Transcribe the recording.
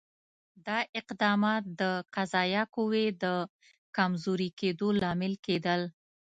دا اقدامات د قضایه قوې د کمزوري کېدو لامل کېدل.